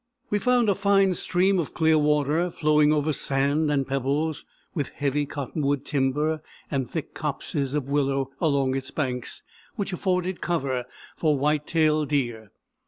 We found a fine stream of clear water, flowing over sand and pebbles, with heavy cottonwood timber and thick copses of willow along its banks, which afforded cover for white tailed deer.